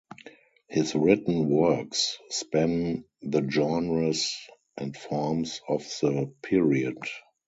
His written works span the genres and forms of the period.